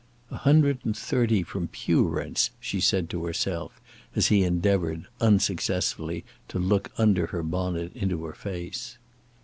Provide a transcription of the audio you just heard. "A hundred and thirty from pew rents," she said to herself, as he endeavoured, unsuccessfully, to look under her bonnet into her face.